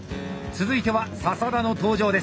続いては笹田の登場です。